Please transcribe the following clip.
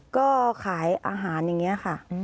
ก็ขายอาหารอย่างนี้ค่ะ